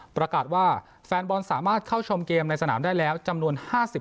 ประกาศว่าแฟนบอลสามารถเข้าชมเกมในสนามได้แล้วจำนวน๕๐